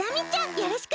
よろしくね！